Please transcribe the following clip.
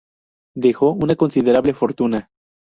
Dejó una considerable fortuna.